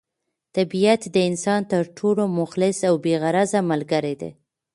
طبیعت د انسان تر ټولو مخلص او بې غرضه ملګری دی.